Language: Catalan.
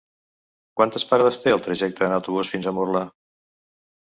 Quantes parades té el trajecte en autobús fins a Murla?